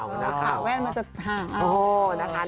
ขาแว่นมันจะห่าง